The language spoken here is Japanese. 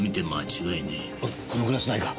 おいこのグラスないか？